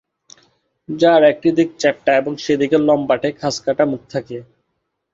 যার একটি দিক চ্যাপ্টা এবং সেদিকে লম্বাটে খাঁজকাটা মুখ থাকে।